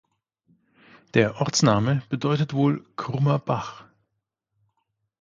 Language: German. Der Ortsname bedeutet wohl "krummer Bach".